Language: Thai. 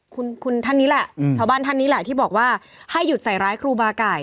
คุณคุณท่านนี้แหละชาวบ้านท่านนี้แหละที่บอกว่าให้หยุดใส่ร้ายครูบาไก่